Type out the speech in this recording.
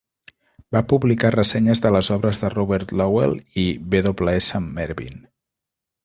Va publicar ressenyes de les obres de Robert Lowell i W. S. Merwin.